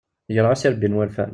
Greɣ-as irebbi n wurfan.